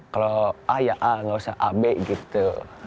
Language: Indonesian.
kalau a ya a nggak usah a b gitu